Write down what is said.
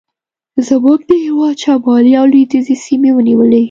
زموږ د هېواد شمالي او لوېدیځې سیمې ونیولې.